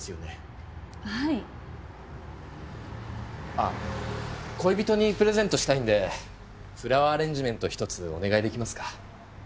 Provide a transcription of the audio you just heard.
ああ恋人にプレゼントしたいんでフラワーアレンジメント１つお願い出来ますか？